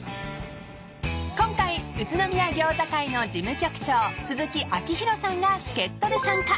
［今回宇都宮餃子会の事務局長鈴木章弘さんが助っ人で参加］